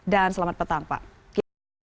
dan selamat petang pak